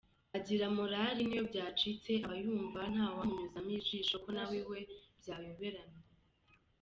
Agira morali niyo byacitse aba yumva ntawamunyuzamo ijisho ko nawe iwe byayoberaneye.